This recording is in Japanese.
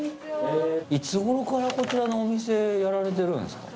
いつ頃からこちらのお店やられてるんですか？